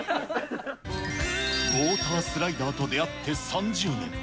ウォータースライダーと出会って３０年。